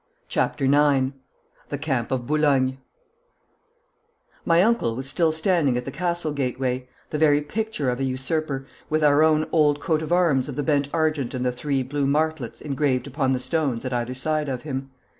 CHAPTER IX THE CAMP OF BOULOGNE My uncle was still standing at the castle gateway, the very picture of a usurper, with our own old coat of arms of the bend argent and the three blue martlets engraved upon the stones at either side of him.